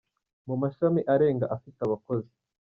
mu mashami arenga afite abakozi.